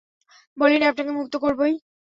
বলিনি আপনাকে মুক্ত করবোই?